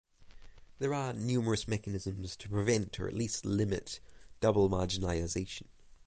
There are numerous mechanisms to prevent or at least limit double marginalization.